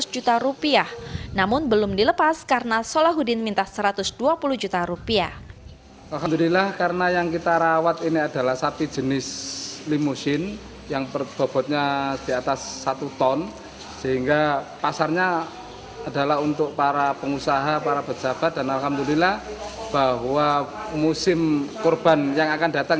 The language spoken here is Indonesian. jika penjualan sapi kurban lebih awal untuk menghindari lonjakan harga mendekati hari raya idul adha